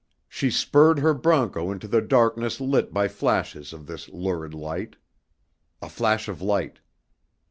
She spurred her broncho into the darkness lit by flashes of this lurid light. A flash of light.